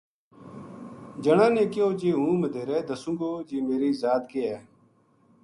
جنا نے کہیو جی ہوں مدیہرے دسوں گو جی میری ذات کے ہے